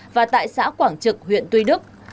và tại xã quảng trực huyện tuy đức